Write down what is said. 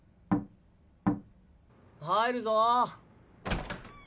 入るぞ。